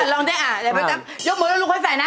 เราลองด้วยยกมือแล้วลูกค่อยใส่นะ